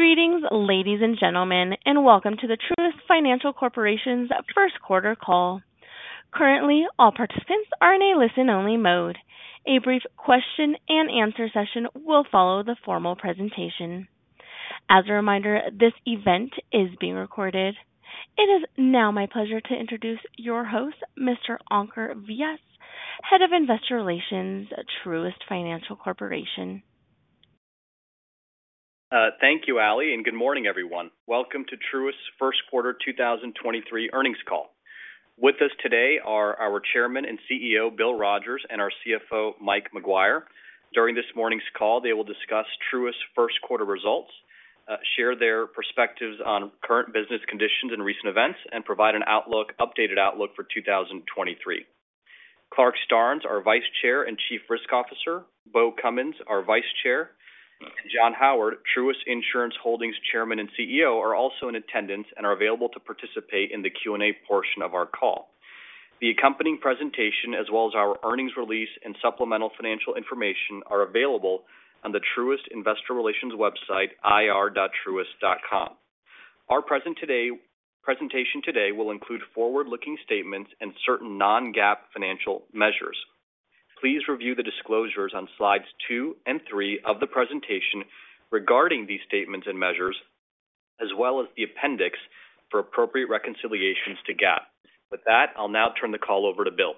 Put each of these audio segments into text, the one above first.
Greetings, ladies and gentlemen, and welcome to the Truist Financial Corporation's first quarter call. Currently, all participants are in a listen-only mode. A brief question-and-answer session will follow the formal presentation. As a reminder, this event is being recorded. It is now my pleasure to introduce your host, Mr. Ankur Vyas, Head of Investor Relations at Truist Financial Corporation. Thank you, Ally, and good morning, everyone. Welcome to Truist's first quarter 2023 earnings call. With us today are our Chairman and CEO, Bill Rogers, and our CFO, Mike Maguire. During this morning's call, they will discuss Truist's first quarter results, share their perspectives on current business conditions and recent events, and provide an updated outlook for 2023. Clarke Starnes, our Vice Chair and Chief Risk Officer, Beau Cummins, our Vice Chair, and John Howard, Truist Insurance Holdings Chairman and CEO, are also in attendance and are available to participate in the Q&A portion of our call. The accompanying presentation, as well as our earnings release and supplemental financial information, are available on the Truist Investor Relations website, ir.truist.com. Our presentation today will include forward-looking statements and certain non-GAAP financial measures. Please review the disclosures on slides 2 and 3 of the presentation regarding these statements and measures, as well as the appendix for appropriate reconciliations to GAAP. With that, I'll now turn the call over to Bill.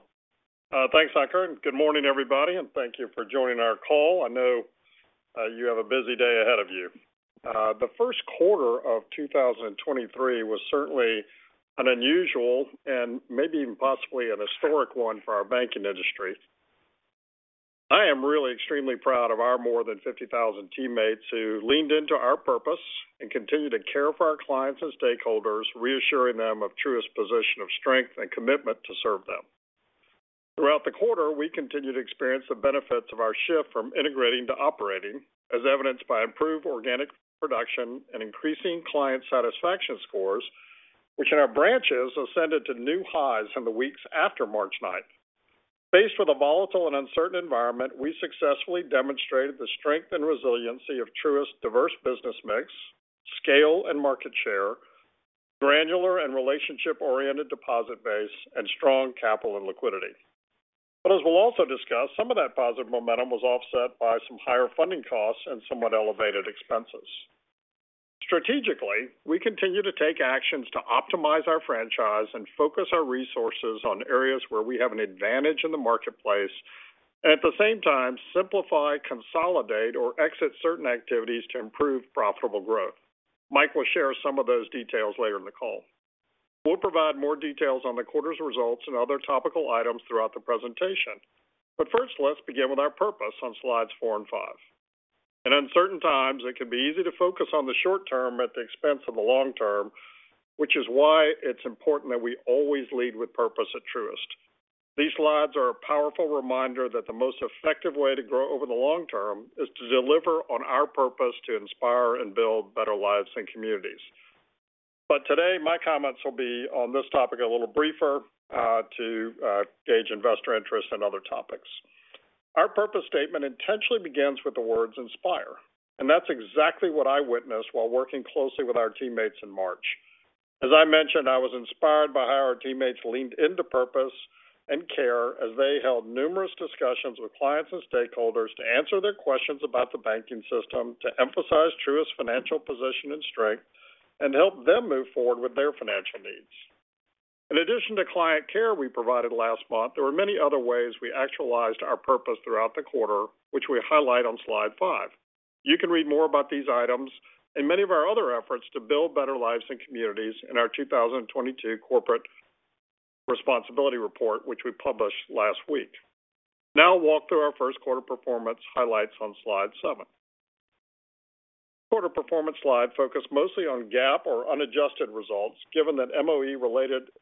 Thanks, Ankur, and good morning, everybody, and thank you for joining our call. I know, you have a busy day ahead of you. The first quarter of 2023 was certainly an unusual and maybe even possibly an historic one for our banking industry. I am really extremely proud of our more than 50,000 teammates who leaned into our purpose and continued to care for our clients and stakeholders, reassuring them of Truist's position of strength and commitment to serve them. Throughout the quarter, we continued to experience the benefits of our shift from integrating to operating, as evidenced by improved organic production and increasing client satisfaction scores, which in our branches ascended to new highs in the weeks after March ninth. Faced with a volatile and uncertain environment, we successfully demonstrated the strength and resiliency of Truist's diverse business mix, scale and market share, granular and relationship-oriented deposit base, and strong capital and liquidity. As we'll also discuss, some of that positive momentum was offset by some higher funding costs and somewhat elevated expenses. Strategically, we continue to take actions to optimize our franchise and focus our resources on areas where we have an advantage in the marketplace and at the same time, simplify, consolidate, or exit certain activities to improve profitable growth. Mike will share some of those details later in the call. We'll provide more details on the quarter's results and other topical items throughout the presentation. First, let's begin with our purpose on slides four and five. In uncertain times, it can be easy to focus on the short term at the expense of the long term, which is why it's important that we always lead with purpose at Truist. These slides are a powerful reminder that the most effective way to grow over the long term is to deliver on our purpose to inspire and build better lives and communities. Today, my comments will be on this topic a little briefer, to gauge investor interest in other topics. Our purpose statement intentionally begins with the words inspire, and that's exactly what I witnessed while working closely with our teammates in March. As I mentioned, I was inspired by how our teammates leaned into purpose and care as they held numerous discussions with clients and stakeholders to answer their questions about the banking system, to emphasize Truist's financial position and strength, and help them move forward with their financial needs. In addition to client care we provided last month, there were many other ways we actualized our purpose throughout the quarter, which we highlight on slide 5. You can read more about these items and many of our other efforts to build better lives and communities in our 2022 corporate responsibility report, which we published last week. Now I'll walk through our first quarter performance highlights on slide 7. Quarter performance slide focus mostly on GAAP or unadjusted results given that MOE-related been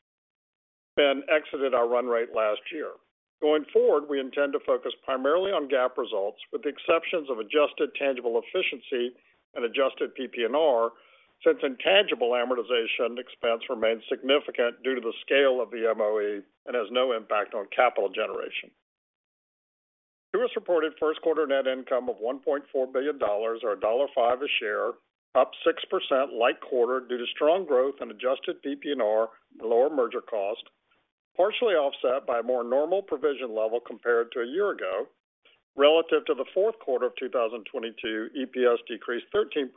exited our run rate last year. Going forward, we intend to focus primarily on GAAP results, with the exceptions of adjusted tangible efficiency and adjusted PPNR, since intangible amortization expense remains significant due to the scale of the MOE and has no impact on capital generation. Truist reported first quarter net income of $1.4 billion or $1.05 a share, up 6% like-quarter due to strong growth in adjusted PPNR and lower merger cost, partially offset by a more normal provision level compared to a year ago. Relative to the fourth quarter of 2022, EPS decreased 13%,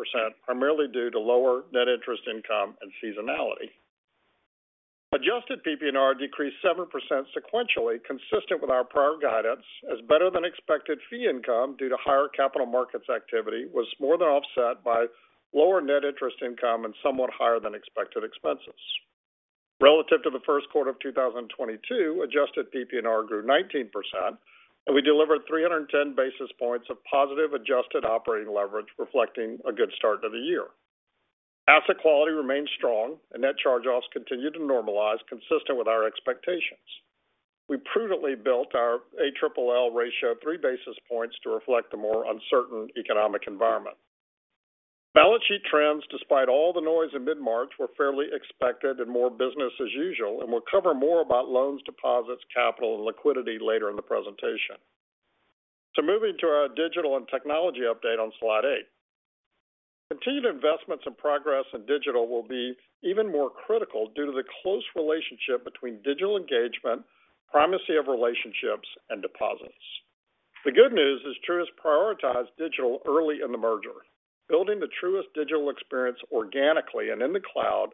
primarily due to lower net interest income and seasonality. Adjusted PPNR decreased 7% sequentially, consistent with our prior guidance, as better-than-expected fee income due to higher capital markets activity was more than offset by lower net interest income and somewhat higher-than-expected expenses. Relative to the first quarter of 2022, adjusted PPNR grew 19%, and we delivered 310 basis points of positive adjusted operating leverage, reflecting a good start to the year. Asset quality remains strong, and net charge-offs continue to normalize consistent with our expectations. We prudently built our ALLL ratio 3 basis points to reflect a more uncertain economic environment. Balance sheet trends, despite all the noise in mid-March, were fairly expected and more business as usual, and we'll cover more about loans, deposits, capital, and liquidity later in the presentation. Moving to our digital and technology update on slide 8. Continued investments and progress in digital will be even more critical due to the close relationship between digital engagement, primacy of relationships, and deposits. The good news is Truist prioritized digital early in the merger, building the Truist digital experience organically and in the cloud,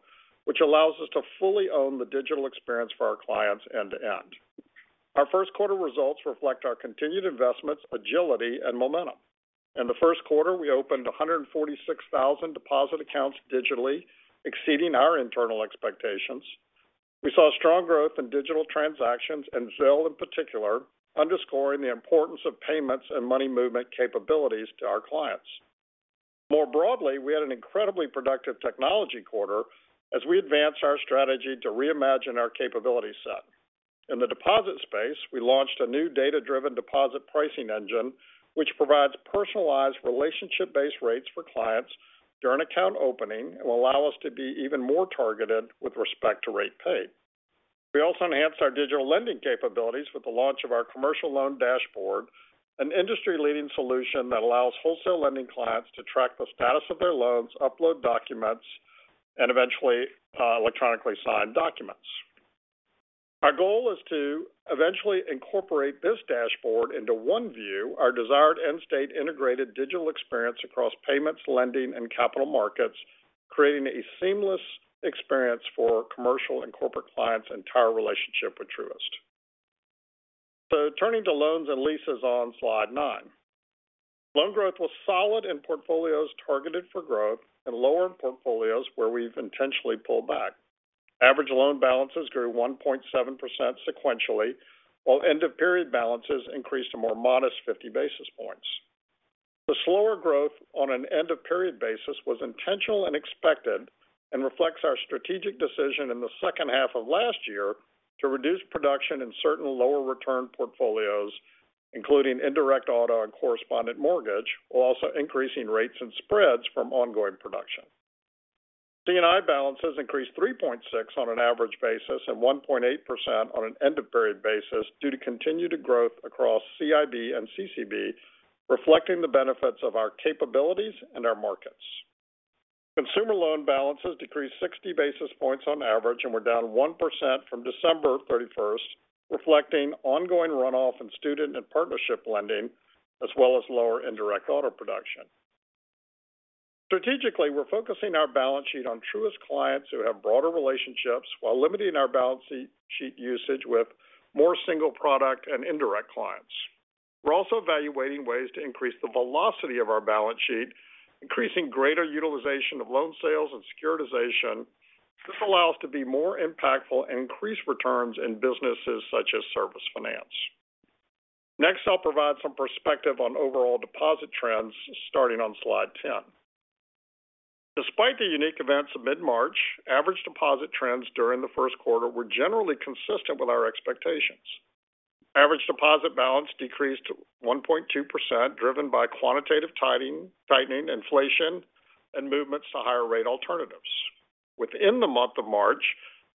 which allows us to fully own the digital experience for our clients end to end. Our first quarter results reflect our continued investments, agility, and momentum. In the first quarter, we opened 146,000 deposit accounts digitally, exceeding our internal expectations. We saw strong growth in digital transactions and Zelle in particular, underscoring the importance of payments and money movement capabilities to our clients. More broadly, we had an incredibly productive technology quarter as we advanced our strategy to reimagine our capability set. In the deposit space, we launched a new data-driven deposit pricing engine, which provides personalized relationship-based rates for clients during account opening and will allow us to be even more targeted with respect to rate paid. We also enhanced our digital lending capabilities with the launch of our commercial loan dashboard, an industry-leading solution that allows wholesale lending clients to track the status of their loans, upload documents, and eventually, electronically sign documents. Our goal is to eventually incorporate this dashboard into One View, our desired end-state integrated digital experience across payments, lending, and capital markets, creating a seamless experience for commercial and corporate clients' entire relationship with Truist. Turning to loans and leases on slide 9. Loan growth was solid in portfolios targeted for growth and lower in portfolios where we've intentionally pulled back. Average loan balances grew 1.7% sequentially, while end-of-period balances increased a more modest 50 basis points. The slower growth on an end-of-period basis was intentional and expected and reflects our strategic decision in the second half of last year to reduce production in certain lower return portfolios, including indirect auto and correspondent mortgage, while also increasing rates and spreads from ongoing production. C&I balances increased 3.6 on an average basis and 1.8% on an end-of-period basis due to continued growth across CIB and CCB, reflecting the benefits of our capabilities and our markets. Consumer loan balances decreased 60 basis points on average and were down 1% from December 31st, reflecting ongoing runoff in student and partnership lending as well as lower indirect auto production. Strategically, we're focusing our balance sheet on Truist clients who have broader relationships while limiting our balance sheet usage with more single product and indirect clients. We're also evaluating ways to increase the velocity of our balance sheet, increasing greater utilization of loan sales and securitization. This allows to be more impactful and increase returns in businesses such as Service Finance. Next, I'll provide some perspective on overall deposit trends starting on slide 10. Despite the unique events of mid-March, average deposit trends during the first quarter were generally consistent with our expectations. Average deposit balance decreased to 1.2%, driven by quantitative tightening, inflation, and movements to higher rate alternatives. Within the month of March,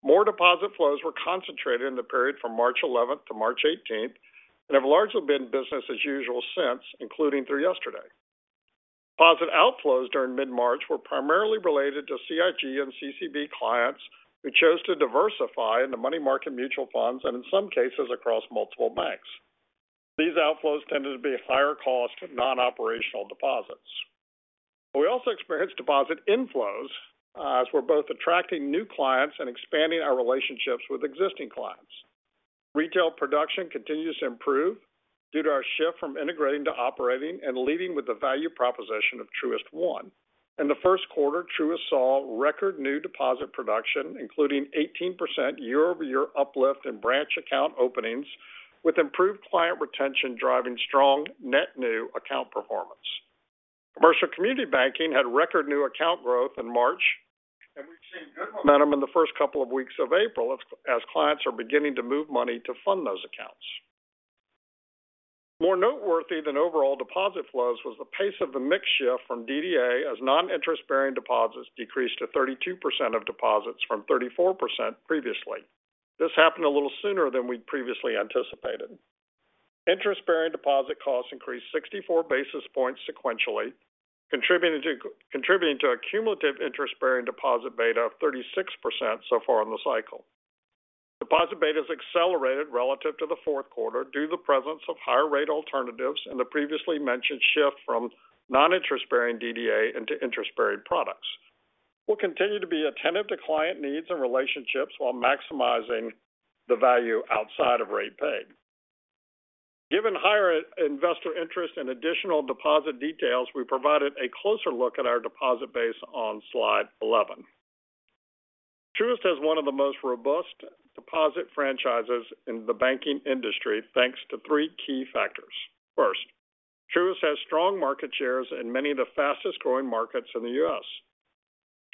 more deposit flows were concentrated in the period from March 11th to March 18th and have largely been business as usual since, including through yesterday. Deposit outflows during mid-March were primarily related to CIG and CCB clients who chose to diversify into money market mutual funds and in some cases across multiple banks. These outflows tended to be higher cost non-operational deposits. We also experienced deposit inflows as we're both attracting new clients and expanding our relationships with existing clients. Retail production continues to improve due to our shift from integrating to operating and leading with the value proposition of Truist One. In the first quarter, Truist saw record new deposit production, including 18% year-over-year uplift in branch account openings with improved client retention driving strong net new account performance. Commercial community banking had record new account growth in March. We've seen good momentum in the first couple of weeks of April as clients are beginning to move money to fund those accounts. More noteworthy than overall deposit flows was the pace of the mix shift from DDA as non-interest-bearing deposits decreased to 32% of deposits from 34% previously. This happened a little sooner than we'd previously anticipated. Interest-bearing deposit costs increased 64 basis points sequentially, contributing to a cumulative interest-bearing deposit beta of 36% so far in the cycle. Deposit betas accelerated relative to the fourth quarter due to the presence of higher rate alternatives and the previously mentioned shift from non-interest-bearing DDA into interest-bearing products. We'll continue to be attentive to client needs and relationships while maximizing the value outside of rate paid. Given higher investor interest and additional deposit details, we provided a closer look at our deposit base on slide 11. Truist has one of the most robust deposit franchises in the banking industry, thanks to 3 key factors. First, Truist has strong market shares in many of the fastest-growing markets in the US.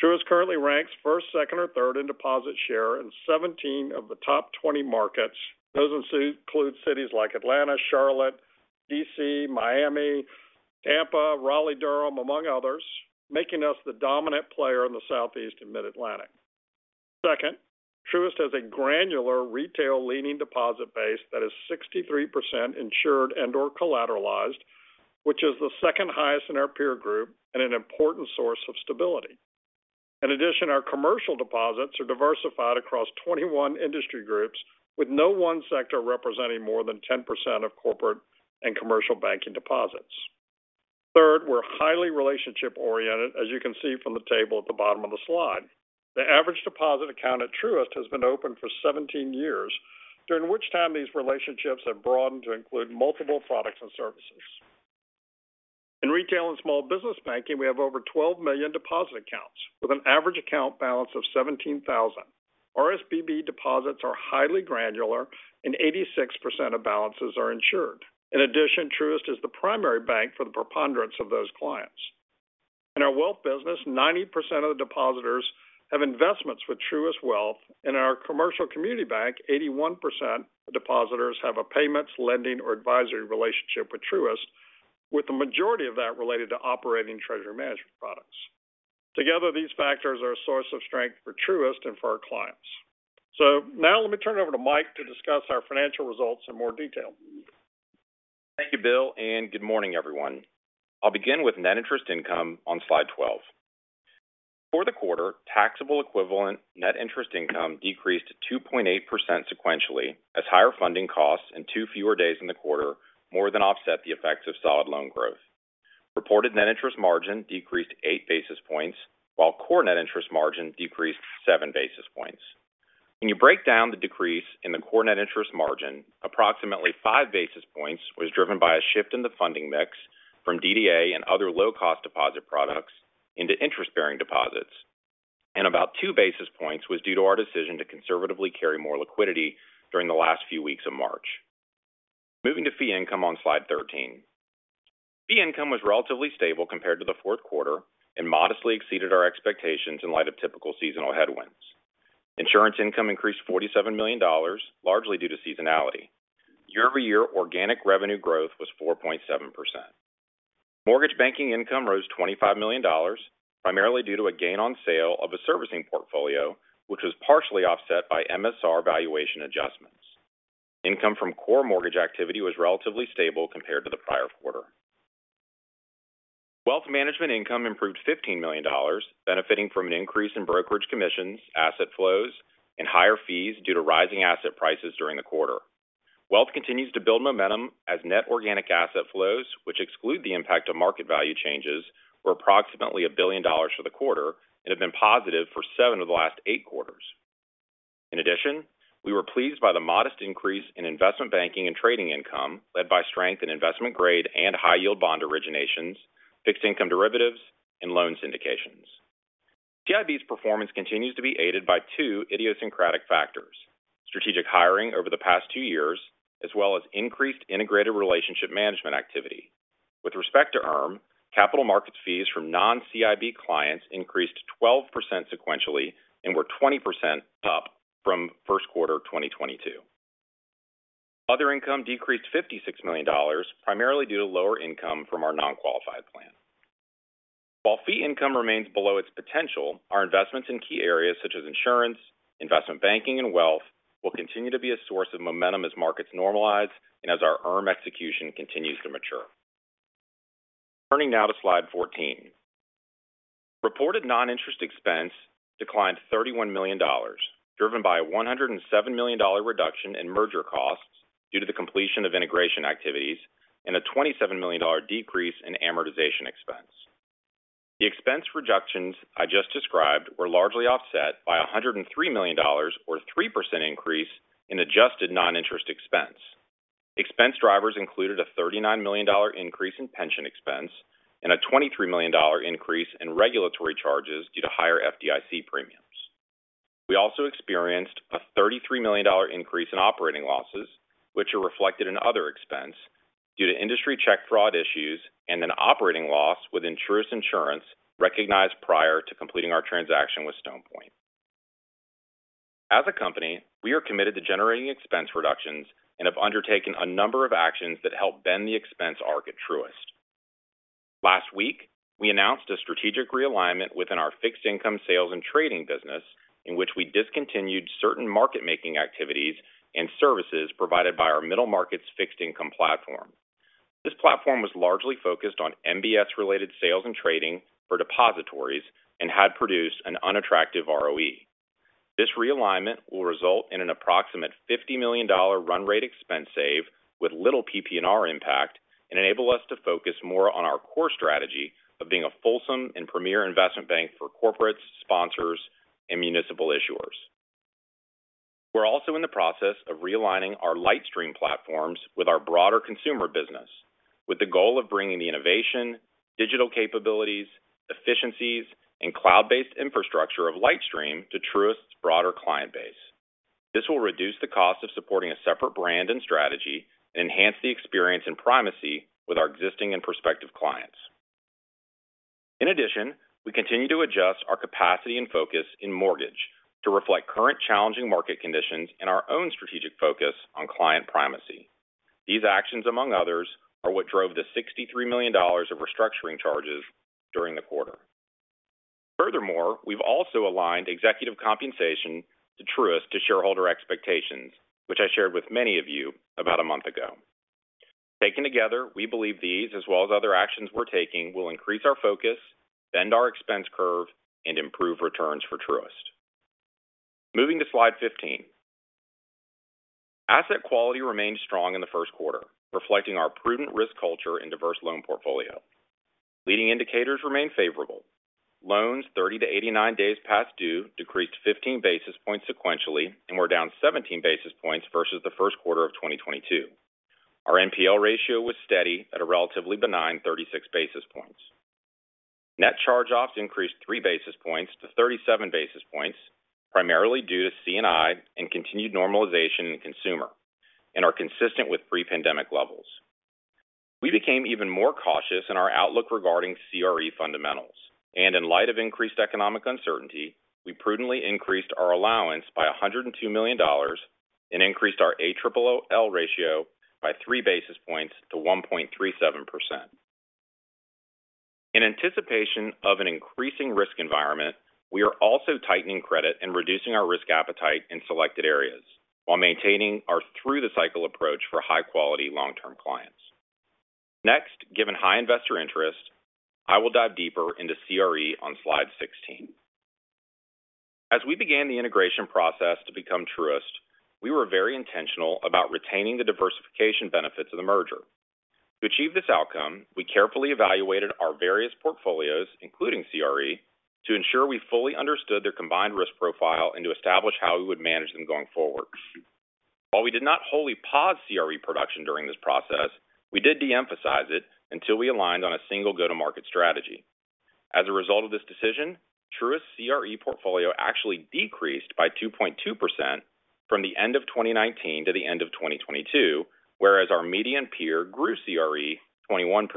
Truist currently ranks first, second, or third in deposit share in 17 of the top 20 markets. Those include cities like Atlanta, Charlotte, D.C., Miami, Tampa, Raleigh-Durham, among others, making us the dominant player in the Southeast and Mid-Atlantic. Second, Truist has a granular retail-leaning deposit base that is 63% insured and/or collateralized, which is the second highest in our peer group and an important source of stability. In addition, our commercial deposits are diversified across 21 industry groups, with no one sector representing more than 10% of corporate and commercial banking deposits. Third, we're highly relationship-oriented, as you can see from the table at the bottom of the slide. The average deposit account at Truist has been open for 17 years, during which time these relationships have broadened to include multiple products and services. In retail and small business banking, we have over 12 million deposit accounts with an average account balance of $17,000. RSBB deposits are highly granular and 86% of balances are insured. In addition, Truist is the primary bank for the preponderance of those clients. In our wealth business, 90% of the depositors have investments with Truist Wealth. In our commercial community bank, 81% of depositors have a payments, lending, or advisory relationship with Truist, with the majority of that related to operating treasury management products. Together, these factors are a source of strength for Truist and for our clients. Now let me turn it over to Mike to discuss our financial results in more detail. Thank you, Bill, and good morning, everyone. I'll begin with net interest income on slide 12. For the quarter, taxable equivalent net interest income decreased 2.8% sequentially as higher funding costs and two fewer days in the quarter more than offset the effects of solid loan growth. Reported net interest margin decreased 8 basis points while core net interest margin decreased 7 basis points. When you break down the decrease in the core net interest margin, approximately 5 basis points was driven by a shift in the funding mix from DDA and other low-cost deposit products into interest-bearing deposits. About 2 basis points was due to our decision to conservatively carry more liquidity during the last few weeks of March. Moving to fee income on slide 13. Fee income was relatively stable compared to the fourth quarter and modestly exceeded our expectations in light of typical seasonal headwinds. Insurance income increased $47 million, largely due to seasonality. Year-over-year organic revenue growth was 4.7%. Mortgage banking income rose $25 million, primarily due to a gain on sale of a servicing portfolio, which was partially offset by MSR valuation adjustments. Income from core mortgage activity was relatively stable compared to the prior quarter. Wealth management income improved $15 million, benefiting from an increase in brokerage commissions, asset flows, and higher fees due to rising asset prices during the quarter. Wealth continues to build momentum as net organic asset flows which exclude the impact of market value changes were approximately $1 billion for the quarter and have been positive for 7 of the last 8 quarters. We were pleased by the modest increase in investment banking and trading income led by strength in investment grade and high yield bond originations, fixed income derivatives, and loan syndications. CIB's performance continues to be aided by 2 idiosyncratic factors, strategic hiring over the past 2 years, as well as increased integrated relationship management activity. With respect to ARM, capital markets fees from non-CIB clients increased 12% sequentially and were 20% up from first quarter 2022. Other income decreased $56 million, primarily due to lower income from our non-qualified plan. Fee income remains below its potential, our investments in key areas such as insurance, investment banking, and wealth will continue to be a source of momentum as markets normalize and as our ARM execution continues to mature. Turning now to slide 14. Reported non-interest expense declined $31 million, driven by a $107 million reduction in merger costs due to the completion of integration activities and a $27 million decrease in amortization expense. The expense reductions I just described were largely offset by a $103 million or 3% increase in adjusted non-interest expense. Expense drivers included a $39 million increase in pension expense and a $23 million increase in regulatory charges due to higher FDIC premiums. We also experienced a $33 million increase in operating losses, which are reflected in other expense due to industry check fraud issues and an operating loss within Truist Insurance recognized prior to completing our transaction with Stonepoint. As a company, we are committed to generating expense reductions and have undertaken a number of actions that help bend the expense arc at Truist. Last week, we announced a strategic realignment within our fixed income sales and trading business in which we discontinued certain market-making activities and services provided by our middle market's fixed income platform. This platform was largely focused on MBS-related sales and trading for depositories and had produced an unattractive ROE. This realignment will result in an approximate $50 million run rate expense save with little PPNR impact and enable us to focus more on our core strategy of being a fulsome and premier investment bank for corporates, sponsors, and municipal issuers. We're also in the process of realigning our LightStream platforms with our broader consumer business with the goal of bringing the innovation, digital capabilities, efficiencies, and cloud-based infrastructure of LightStream to Truist's broader client base. This will reduce the cost of supporting a separate brand and strategy and enhance the experience and primacy with our existing and prospective clients. We continue to adjust our capacity and focus in mortgage to reflect current challenging market conditions and our own strategic focus on client primacy. These actions, among others, are what drove the $63 million of restructuring charges during the quarter. We've also aligned executive compensation to Truist to shareholder expectations, which I shared with many of you about a month ago. Taken together, we believe these as well as other actions we're taking will increase our focus, bend our expense curve, and improve returns for Truist. Moving to slide 15. Asset quality remained strong in the first quarter, reflecting our prudent risk culture and diverse loan portfolio. Leading indicators remain favorable. Loans 30 to 89 days past due decreased 15 basis points sequentially and were down 17 basis points versus the first quarter of 2022. Our NPL ratio was steady at a relatively benign 36 basis points. Net Charge-Offs increased 3 basis points to 37 basis points, primarily due to C&I and continued normalization in consumer and are consistent with pre-pandemic levels. We became even more cautious in our outlook regarding CRE fundamentals and in light of increased economic uncertainty, we prudently increased our allowance by $102 million and increased our ALLL ratio by 3 basis points to 1.37%. In anticipation of an increasing risk environment, we are also tightening credit and reducing our risk appetite in selected areas while maintaining our through the cycle approach for high quality long-term clients. Given high investor interest, I will dive deeper into CRE on slide 16. As we began the integration process to become Truist, we were very intentional about retaining the diversification benefits of the merger. To achieve this outcome, we carefully evaluated our various portfolios, including CRE, to ensure we fully understood their combined risk profile and to establish how we would manage them going forward. While we did not wholly pause CRE production during this process, we did de-emphasize it until we aligned on a single go-to-market strategy. As a result of this decision, Truist CRE portfolio actually decreased by 2.2% from the end of 2019 to the end of 2022, whereas our median peer grew CRE 21%.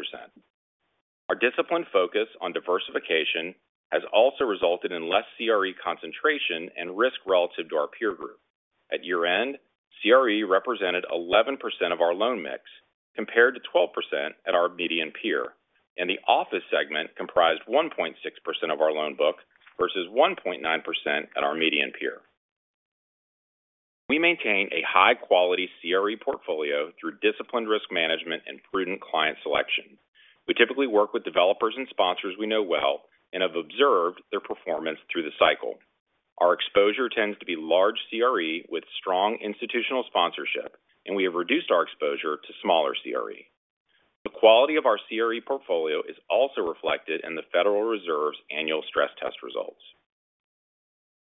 Our disciplined focus on diversification has also resulted in less CRE concentration and risk relative to our peer group. At year-end, CRE represented 11% of our loan mix compared to 12% at our median peer. The office segment comprised 1.6% of our loan book versus 1.9% at our median peer. We maintain a high-quality CRE portfolio through disciplined risk management and prudent client selection. We typically work with developers and sponsors we know well and have observed their performance through the cycle. Our exposure tends to be large CRE with strong institutional sponsorship, and we have reduced our exposure to smaller CRE. The quality of our CRE portfolio is also reflected in the Federal Reserve's annual stress test results.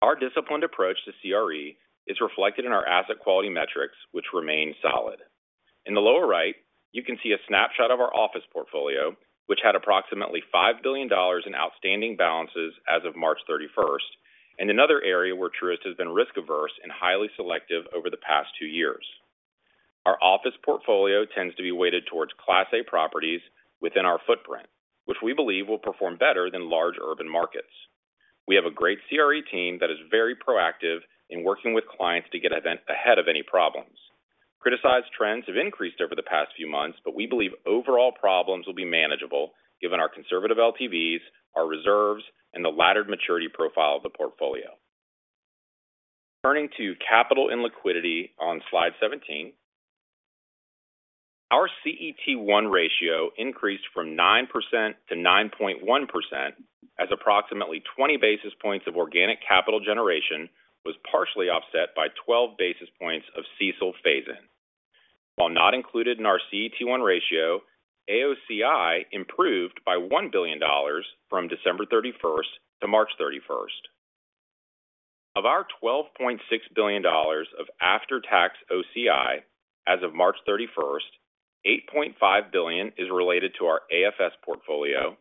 Our disciplined approach to CRE is reflected in our asset quality metrics, which remain solid. In the lower right, you can see a snapshot of our office portfolio, which had approximately $5 billion in outstanding balances as of March 31st. Another area where Truist has been risk-averse and highly selective over the past two years. Our office portfolio tends to be weighted towards Class A properties within our footprint, which we believe will perform better than large urban markets. We have a great CRE team that is very proactive in working with clients to get event ahead of any problems. Criticized trends have increased over the past few months, but we believe overall problems will be manageable given our conservative LTVs, our reserves, and the laddered maturity profile of the portfolio. Turning to capital and liquidity on slide 17. Our CET1 ratio increased from 9% to 9.1% as approximately 20 basis points of organic capital generation was partially offset by 12 basis points of CECL phase-in. While not included in our CET1 ratio, AOCI improved by $1 billion from December 31st to March 31st. Of our $12.6 billion of after-tax OCI as of March 31st, $8.5 billion is related to our AFS portfolio,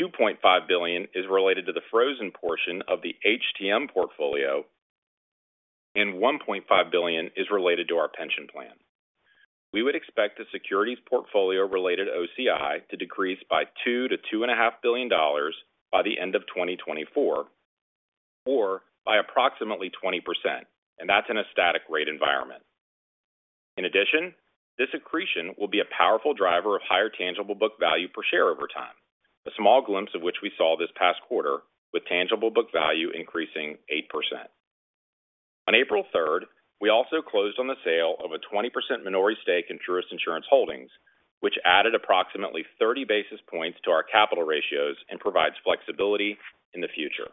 $2.5 billion is related to the frozen portion of the HTM portfolio, and $1.5 billion is related to our pension plan. We would expect the securities portfolio related OCI to decrease by $2 billion-$2.5 billion by the end of 2024 or by approximately 20%, and that's in a static rate environment. In addition, this accretion will be a powerful driver of higher tangible book value per share over time. A small glimpse of which we saw this past quarter with tangible book value increasing 8%. On April third, we also closed on the sale of a 20% minority stake in Truist Insurance Holdings, which added approximately 30 basis points to our capital ratios and provides flexibility in the future.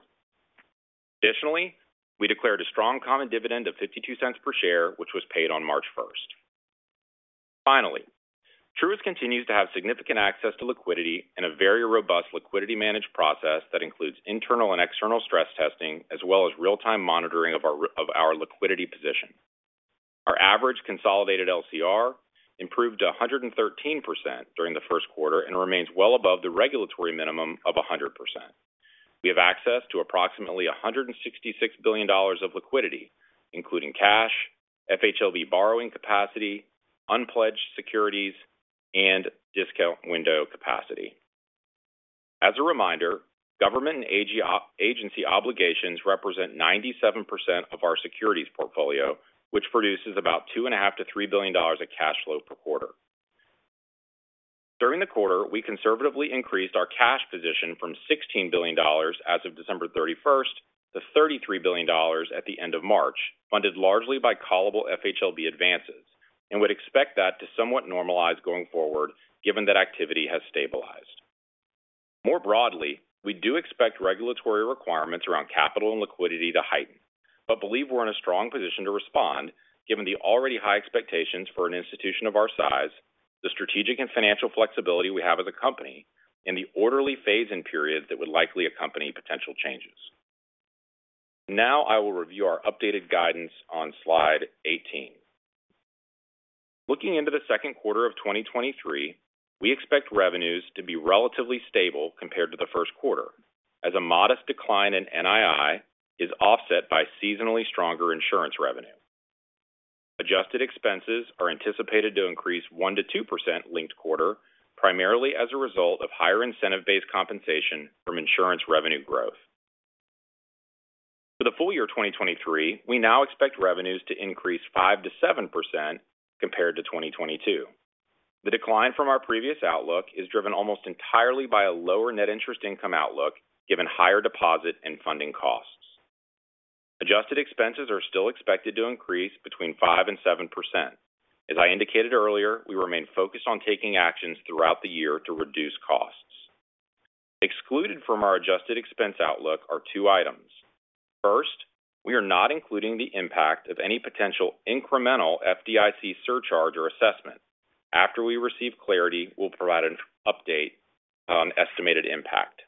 Additionally, we declared a strong common dividend of $0.52 per share, which was paid on March first. Finally, Truist continues to have significant access to liquidity and a very robust liquidity managed process that includes internal and external stress testing, as well as real-time monitoring of our liquidity position. Our average consolidated LCR improved to 113% during the first quarter and remains well above the regulatory minimum of 100%. We have access to approximately $166 billion of liquidity, including cash, FHLB borrowing capacity, unpledged securities, and discount window capacity. As a reminder, government and ag-agency obligations represent 97% of our securities portfolio, which produces about $2.5 billion-$3 billion of cash flow per quarter. During the quarter, we conservatively increased our cash position from $16 billion as of December 31st to $33 billion at the end of March, funded largely by callable FHLB advances, and would expect that to somewhat normalize going forward given that activity has stabilized. More broadly, we do expect regulatory requirements around capital and liquidity to heighten, but believe we're in a strong position to respond given the already high expectations for an institution of our size, the strategic and financial flexibility we have as a company in the orderly phase and period that would likely accompany potential changes. Now I will review our updated guidance on slide 18. Looking into the second quarter of 2023, we expect revenues to be relatively stable compared to the first quarter as a modest decline in NII is offset by seasonally stronger insurance revenue. Adjusted expenses are anticipated to increase 1%-2% linked quarter, primarily as a result of higher incentive-based compensation from insurance revenue growth. For the full year 2023, we now expect revenues to increase 5%-7% compared to 2022. The decline from our previous outlook is driven almost entirely by a lower net interest income outlook given higher deposit and funding costs. Adjusted expenses are still expected to increase between 5% and 7%. As I indicated earlier, we remain focused on taking actions throughout the year to reduce costs. Excluded from our adjusted expense outlook are two items. First, we are not including the impact of any potential incremental FDIC surcharge or assessment. After we receive clarity, we'll provide an update on estimated impact.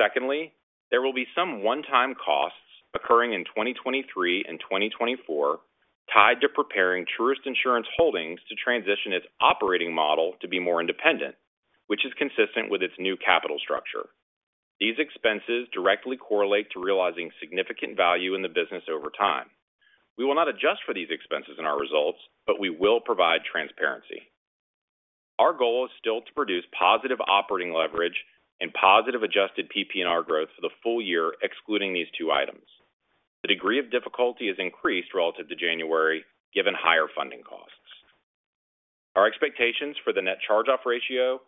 Secondly, there will be some one-time costs occurring in 2023 and 2024 tied to preparing Truist Insurance Holdings to transition its operating model to be more independent, which is consistent with its new capital structure. These expenses directly correlate to realizing significant value in the business over time. We will not adjust for these expenses in our results, but we will provide transparency. Our goal is still to produce positive operating leverage and positive adjusted PPNR growth for the full year, excluding these two items. The degree of difficulty has increased relative to January given higher funding costs. Our expectations for the net charge-off ratio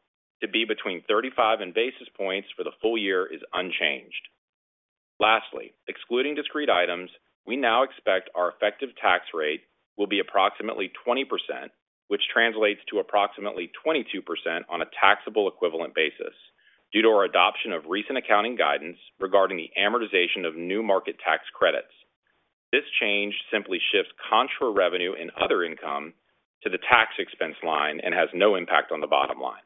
to be between 35 and basis points for the full year is unchanged. Lastly, excluding discrete items, we now expect our effective tax rate will be approximately 20%, which translates to approximately 22% on a taxable equivalent basis due to our adoption of recent accounting guidance regarding the amortization of New Markets Tax Credits. This change simply shifts contra revenue and other income to the tax expense line and has no impact on the bottom line.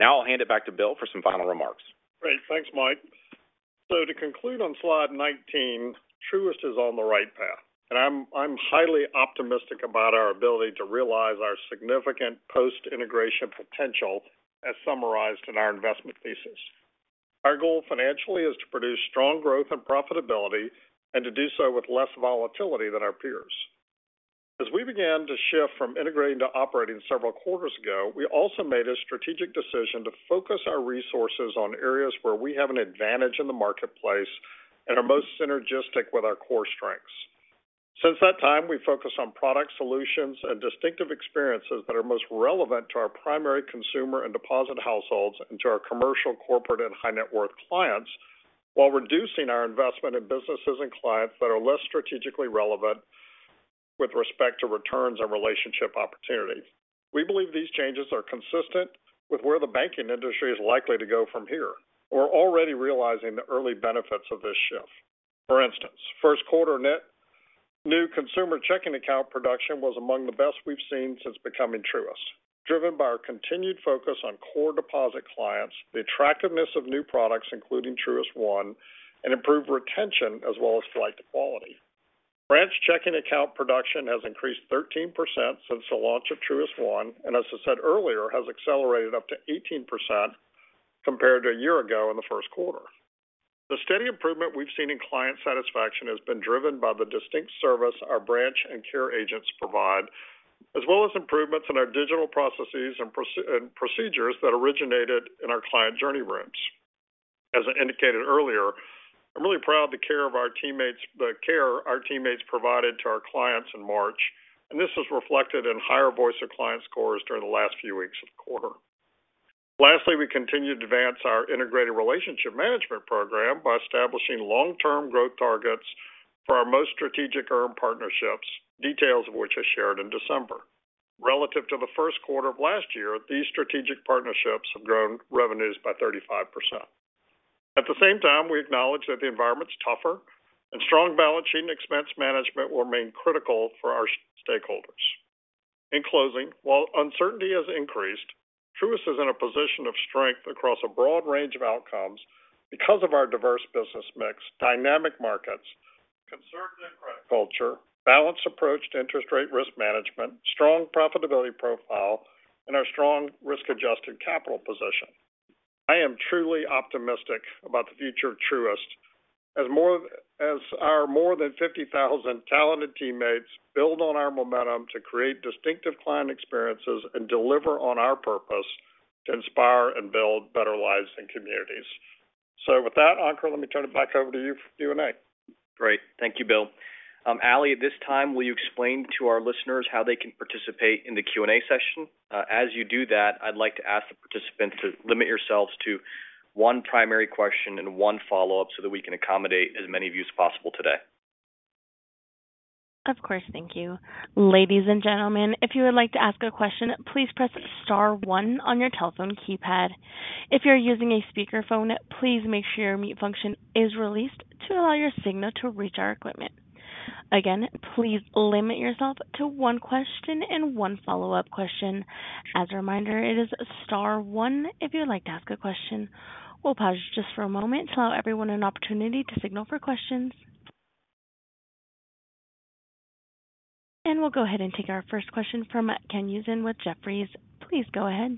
Now I'll hand it back to Bill for some final remarks. Great. Thanks, Mike. To conclude on slide 19, Truist is on the right path, and I'm highly optimistic about our ability to realize our significant post-integration potential as summarized in our investment thesis. Our goal financially is to produce strong growth and profitability and to do so with less volatility than our peers. As we began to shift from integrating to operating several quarters ago, we also made a strategic decision to focus our resources on areas where we have an advantage in the marketplace and are most synergistic with our core strengths. Since that time, we focused on product solutions and distinctive experiences that are most relevant to our primary consumer and deposit households and to our commercial, corporate, and high-net-worth clients while reducing our investment in businesses and clients that are less strategically relevant with respect to returns and relationship opportunities. We believe these changes are consistent with where the banking industry is likely to go from here. We're already realizing the early benefits of this shift. For instance, first quarter net new consumer checking account production was among the best we've seen since becoming Truist, driven by our continued focus on core deposit clients, the attractiveness of new products, including Truist One, and improved retention as well as select quality. Branch checking account production has increased 13% since the launch of Truist One, as I said earlier, has accelerated up to 18% compared to a year ago in the first quarter. The steady improvement we've seen in client satisfaction has been driven by the distinct service our branch and care agents provide, as well as improvements in our digital processes and procedures that originated in our client journey rooms. As I indicated earlier, I'm really proud the care our teammates provided to our clients in March. This is reflected in higher voice of client scores during the last few weeks of the quarter. Lastly, we continued to advance our integrated relationship management program by establishing long-term growth targets for our most strategic earned partnerships, details of which I shared in December. Relative to the first quarter of last year, these strategic partnerships have grown revenues by 35%. At the same time, we acknowledge that the environment's tougher and strong balance sheet and expense management will remain critical for our stakeholders. In closing, while uncertainty has increased, Truist is in a position of strength across a broad range of outcomes because of our diverse business mix, dynamic markets, conservative credit culture, balanced approach to interest rate risk management, strong profitability profile, and our strong risk-adjusted capital position. I am truly optimistic about the future of Truist. As our more than 50,000 talented teammates build on our momentum to create distinctive client experiences and deliver on our purpose to inspire and build better lives and communities. With that, Ankur, let me turn it back over to you for Q&A. Great. Thank you, Bill. Ally, at this time, will you explain to our listeners how they can participate in the Q&A session? As you do that, I'd like to ask the participants to limit yourselves to one primary question and one follow-up so that we can accommodate as many of you as possible today. Of course. Thank you. Ladies and gentlemen, if you would like to ask a question, please press star one on your telephone keypad. If you're using a speakerphone, please make sure your mute function is released to allow your signal to reach our equipment. Again, please limit yourself to one question and one follow-up question. As a reminder, it is star one if you'd like to ask a question. We'll pause just for a moment to allow everyone an opportunity to signal for questions. We'll go ahead and take our first question from Ken Usdin with Jefferies. Please go ahead.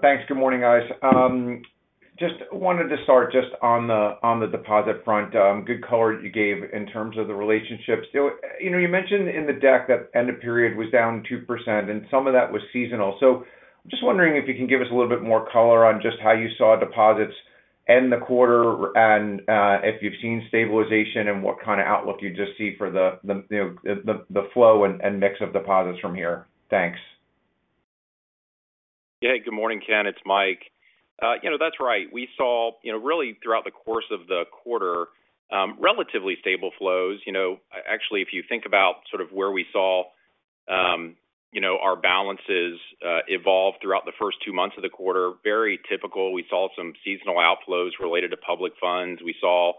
Thanks. Good morning, guys. Just wanted to start just on the, on the deposit front. Good color you gave in terms of the relationships. You know, you mentioned in the deck that end of period was down 2% and some of that was seasonal. Just wondering if you can give us a little bit more color on just how you saw deposits end the quarter and if you've seen stabilization and what kind of outlook you just see for the, you know, the flow and mix of deposits from here. Thanks. Yeah. Good morning, Ken. It's Mike. You know, that's right. We saw, you know, really throughout the course of the quarter, relatively stable flows. You know, actually, if you think about sort of where we saw, you know, our balances evolve throughout the first 2 months of the quarter, very typical. We saw some seasonal outflows related to public funds. We saw,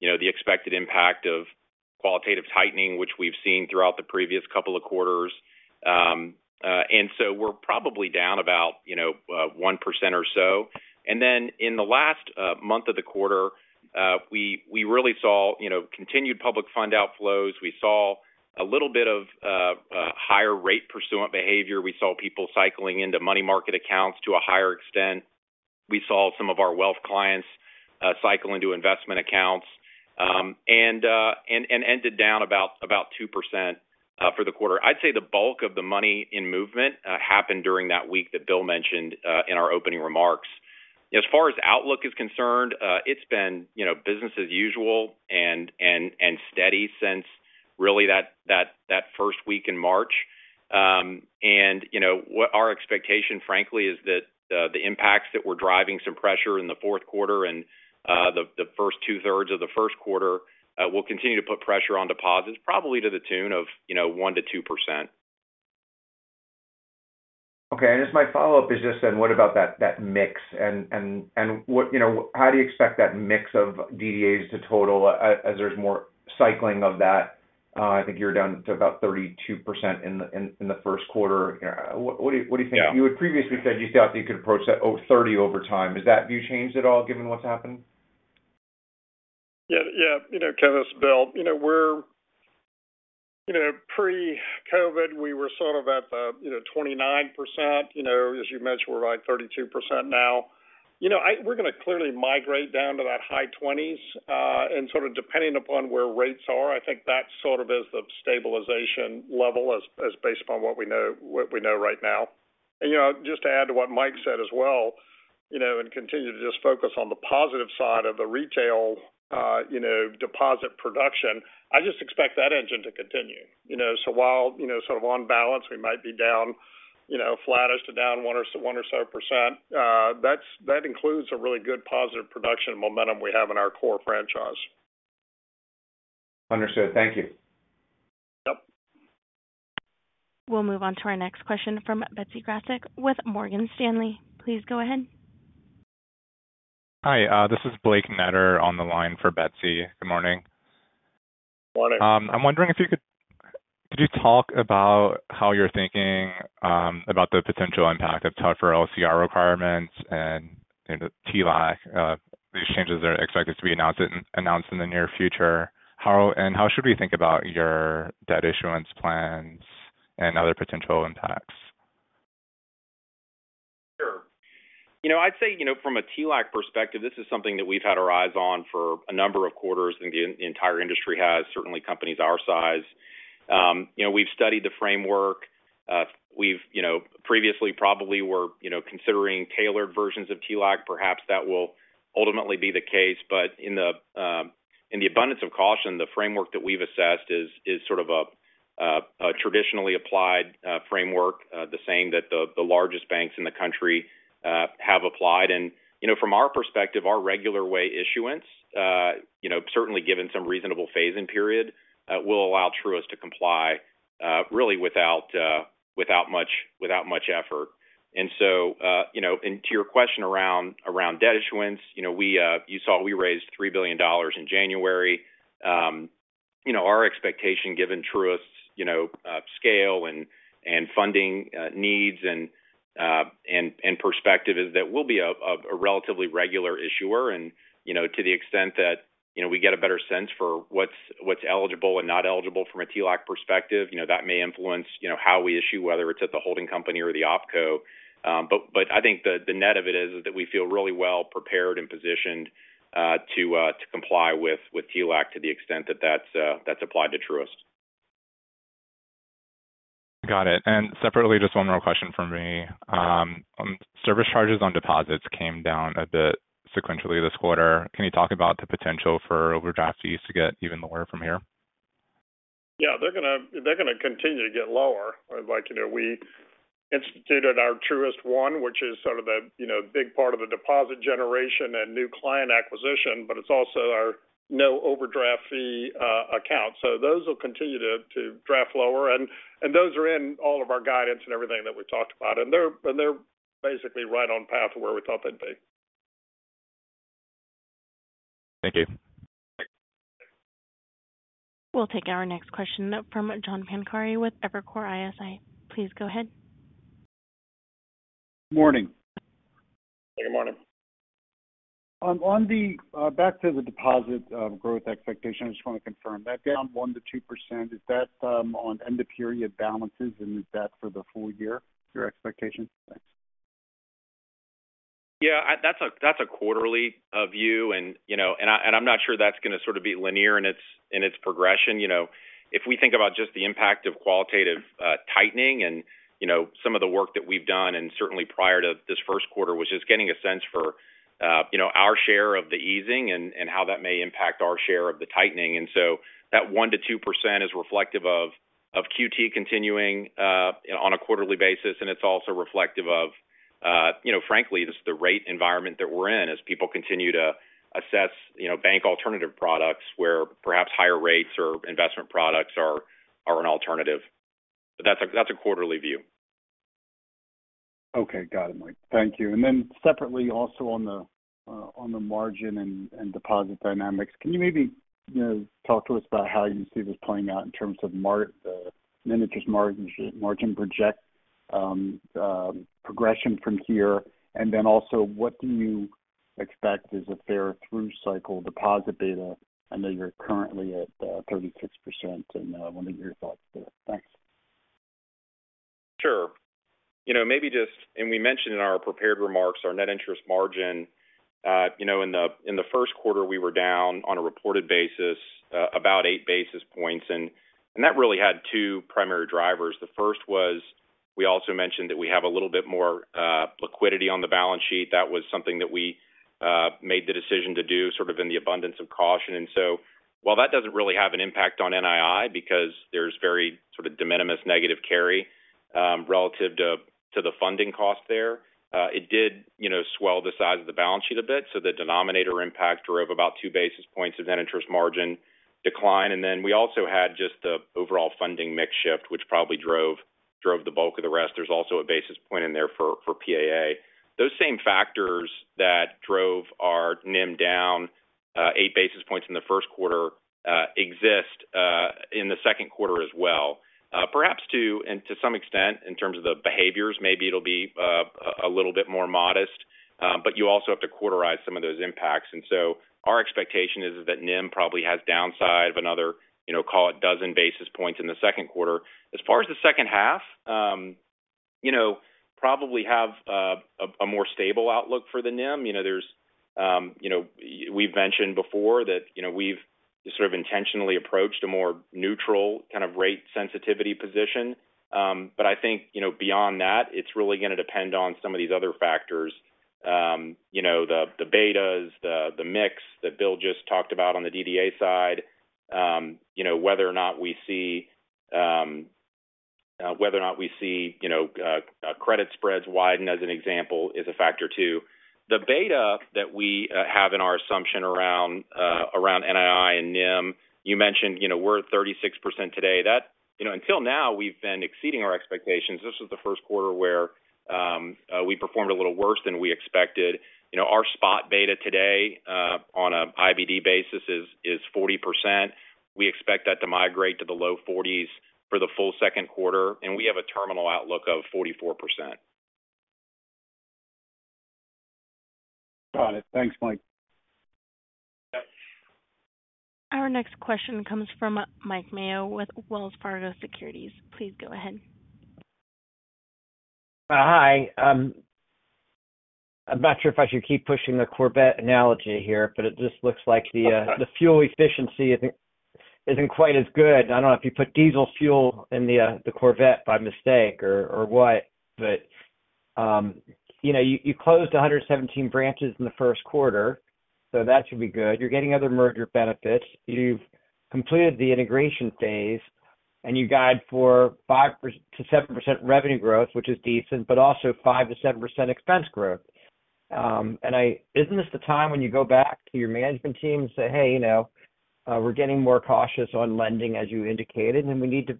you know, the expected impact of qualitative tightening, which we've seen throughout the previous couple of quarters. So we're probably down about, you know, 1% or so. Then in the last month of the quarter, we really saw, you know, continued public fund outflows. We saw a little bit of higher rate pursuant behavior. We saw people cycling into money market accounts to a higher extent. We saw some of our wealth clients cycle into investment accounts and ended down about 2% for the quarter. I'd say the bulk of the money in movement happened during that week that Bill mentioned in our opening remarks. As far as outlook is concerned, it's been, you know, business as usual and steady since really that first week in March. You know, what our expectation frankly is that the impacts that were driving some pressure in the fourth quarter and the first two-thirds of the first quarter will continue to put pressure on deposits probably to the tune of, you know, 1%-2%. Okay. Just my follow-up is just then what about that mix and what, you know, how do you expect that mix of DDAs to total as there's more cycling of that? I think you're down to about 32% in the first quarter. What do you think? Yeah. You had previously said you thought you could approach that 30 over time. Has that view changed at all given what's happened? Yeah. You know, Ken, it's Bill. You know pre-COVID, we were sort of at the, you know, 29%. You know, as you mentioned, we're at 32% now. You know, we're going to clearly migrate down to that high 20s. Sort of depending upon where rates are, I think that sort of is the stabilization level as based upon what we know right now. You know, just to add to what Mike said as well, you know, and continue to just focus on the positive side of the retail, you know, deposit production. I just expect that engine to continue. You know, while, you know, sort of on balance, we might be down, you know, flattest to down 1% or so, that includes a really good positive production momentum we have in our core franchise. Understood. Thank you. Yep. We'll move on to our next question from Betsy Graseck with Morgan Stanley. Please go ahead. Hi, this is Blake Netter on the line for Betsy. Good morning. Morning. I'm wondering if you could you talk about how you're thinking about the potential impact of tougher SCB requirements and, you know, TLAC. These changes are expected to be announced in the near future. How should we think about your debt issuance plans and other potential impacts? Sure. You know, I'd say, you know, from a TLAC perspective, this is something that we've had our eyes on for a number of quarters, and the entire industry has, certainly companies our size. You know, we've studied the framework. We've, you know, previously probably were, you know, considering tailored versions of TLAC. Perhaps that will ultimately be the case. In the abundance of caution, the framework that we've assessed is sort of a traditionally applied framework, the same that the largest banks in the country have applied. You know, from our perspective, our regular way issuance, you know, certainly given some reasonable phase-in period, will allow Truist to comply really without much effort. You know, and to your question around debt issuance, you know, we, you saw we raised $3 billion in January. You know, our expectation given Truist's, you know, scale and funding needs and perspective is that we'll be a relatively regular issuer. You know, to the extent. You know, we get a better sense for what's eligible and not eligible from a TLAC perspective. You know, that may influence, you know, how we issue, whether it's at the holding company or the OpCo. But I think the net of it is that we feel really well prepared and positioned to comply with TLAC to the extent that that's applied to Truist. Got it. Separately, just one more question from me. Service charges on deposits came down a bit sequentially this quarter. Can you talk about the potential for overdraft fees to get even lower from here? Yeah, they're gonna continue to get lower. Like, you know, we instituted our Truist One, which is sort of a, you know, big part of the deposit generation and new client acquisition, but it's also our no overdraft fee account. Those will continue to draft lower. Those are in all of our guidance and everything that we talked about. They're basically right on path of where we thought they'd be. Thank you. We'll take our next question from John Pancari with Evercore ISI. Please go ahead. Morning. Good morning. On the back to the deposit growth expectation, I just want to confirm that down 1%-2%, is that on end of period balances, and is that for the full year, your expectation? Thanks. Yeah, that's a, that's a quarterly view. You know, and I, and I'm not sure that's going to sort of be linear in its, in its progression. You know, if we think about just the impact of qualitative tightening and, you know, some of the work that we've done, and certainly prior to this first quarter, was just getting a sense for, you know, our share of the easing and how that may impact our share of the tightening. So that 1%-2% is reflective of QT continuing, you know, on a quarterly basis. It's also reflective of, you know, frankly, just the rate environment that we're in as people continue to assess, you know, bank alternative products where perhaps higher rates or investment products are an alternative. That's a, that's a quarterly view. Okay. Got it, Mike. Thank you. Separately, also on the margin and deposit dynamics, can you maybe, you know, talk to us about how you see this playing out in terms of the net interest margin project, progression from here? Also, what do you expect is a fair through cycle deposit beta? I know you're currently at 36% and I want to hear your thoughts there. Thanks. Sure. You know, maybe we mentioned in our prepared remarks our net interest margin. You know, in the first quarter, we were down on a reported basis, about 8 basis points. That really had two primary drivers. The first was, we also mentioned that we have a little bit more liquidity on the balance sheet. That was something that we made the decision to do sort of in the abundance of caution. While that doesn't really have an impact on NII because there's very sort of de minimis negative carry, relative to the funding cost there, it did, you know, swell the size of the balance sheet a bit. The denominator impact drove about 2 basis points of net interest margin decline. We also had just the overall funding mix shift, which probably drove the bulk of the rest. There's also a basis point in there for PAA. Those same factors that drove our NIM down 8 basis points in the first quarter exist in the second quarter as well. Perhaps to some extent in terms of the behaviors, maybe it'll be a little bit more modest, you also have to quarterize some of those impacts. Our expectation is that NIM probably has downside of another, call it dozen basis points in the second quarter. As far as the second half, probably have a more stable outlook for the NIM. You know, there's, you know, we've mentioned before that, you know, we've sort of intentionally approached a more neutral kind of rate sensitivity position. I think, you know, beyond that, it's really going to depend on some of these other factors. You know, the betas, the mix that Bill just talked about on the DDA side. You know, whether or not we see, you know, credit spreads widen as an example, is a factor too. The beta that we have in our assumption around NII and NIM, you mentioned, you know, we're at 36% today. That, you know, until now we've been exceeding our expectations. This was the first quarter where we performed a little worse than we expected. You know, our spot beta today, on a IBD basis is 40%. We expect that to migrate to the low 40s for the full second quarter, and we have a terminal outlook of 44%. Got it. Thanks, Mike. Our next question comes from Mike Mayo with Wells Fargo Securities. Please go ahead. Hi. I'm not sure if I should keep pushing the Corvette analogy here, it just looks like the fuel efficiency isn't quite as good. I don't know if you put diesel fuel in the Corvette by mistake or what. You know, you closed 117 branches in the first quarter, that should be good. You're getting other merger benefits. You've completed the integration phase, you guide for 5%-7% revenue growth, which is decent, but also 5%-7% expense growth. Isn't this the time when you go back to your management team and say, "Hey, you know, we're getting more cautious on lending, as you indicated, and we need to,